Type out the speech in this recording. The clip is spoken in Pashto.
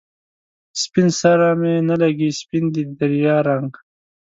سپين سره می نه لګي، سپین دی د ریا رنګ